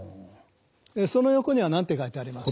その横には何て書いてあります？